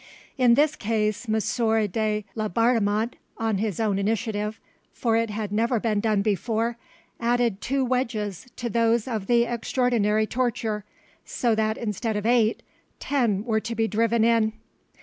In this case M. de Laubardemont on his own initiative, for it had never been done before, added two wedges to those of the extraordinary torture, so that instead of eight, ten were to be driven in.